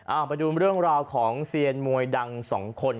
เอาไปดูเรื่องราวของเซียนมวยดังสองคน